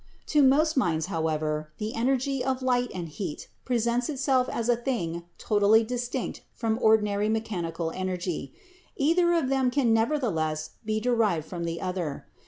"To most minds, however, the energy of light and heat presents itself as a thing totally distinct from ordinary mechanical energy. Either of them can nevertheless be derived from the other.